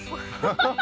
ハハハハ！